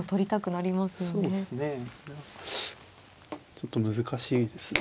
ちょっと難しいですね。